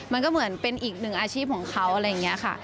มันก็เหมือนเป็นอีกหนึ่งอาชีพของเขาอะไรอย่างนี้ค่ะ